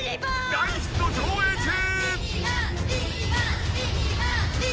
［大ヒット上映中！］